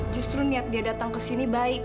justru niat dia datang ke sini baik